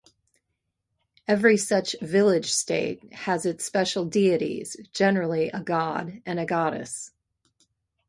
Every such village-state has its special deities, generally a god and a goddess.